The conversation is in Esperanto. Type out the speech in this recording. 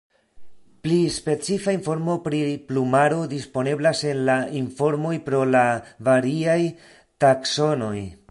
Pli specifa informo pri plumaro disponeblas en la informoj pro la variaj taksonoj.